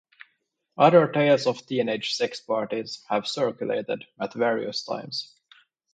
Other tales of teenage sex parties have circulated at various times.